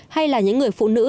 hay là những người phụ nữ